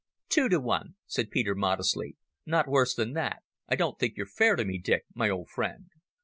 "Two to one," said Peter modestly. "Not worse than that. I don't think you're fair to me, Dick, my old friend."